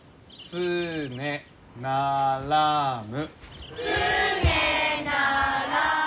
「つねならむ」。